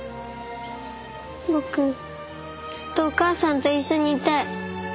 僕ずっとお母さんと一緒にいたい。